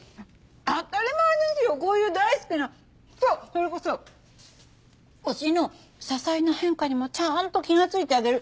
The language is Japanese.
それこそ推しの些細な変化にもちゃんと気がついてあげる。